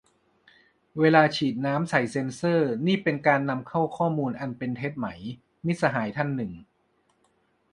เวลาฉีดน้ำใส่เซนเซอร์นี่เป็นการนำเข้าข้อมูลอันเป็นเท็จไหม มิตรสหายท่านหนึ่ง